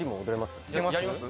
やります？